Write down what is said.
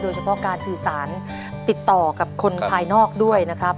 โดยเฉพาะการสื่อสารติดต่อกับคนภายนอกด้วยนะครับ